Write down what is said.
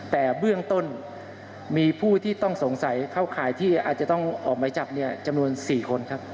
แต่เบื้องต้นมีผู้ที่ต้องสงสัยเข้าข่ายที่อาจจะต้องออกหมายจับจำนวน๔คนครับ